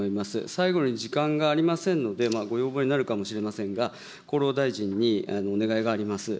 最後に時間がありませんので、ご要望になるかもしれませんが、厚労大臣にお願いがあります。